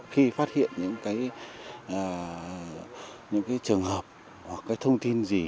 khi phát hiện những trường hợp hoặc cái thông tin gì